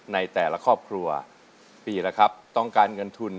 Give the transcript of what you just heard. ในแต่ละครอบครัวปีละครับต้องการเงินทุน